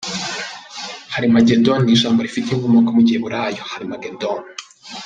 Harimagedoni ni ijambo rifite inkomoko mu Giheburayo “Har-Magedone.